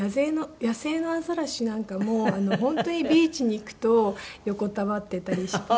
野生のアザラシなんかも本当にビーチに行くと横たわっていたりしまして。